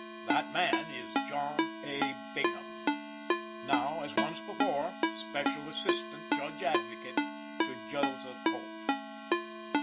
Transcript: That man is John A. Bingham, now, as once before, Special Assistant Judge Advocate to Joseph Holt.